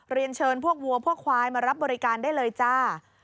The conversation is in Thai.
เรียนเชิญพวกวัวพวกควายมารับบริการได้เลยจ้า